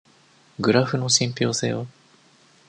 グラフの信憑性は？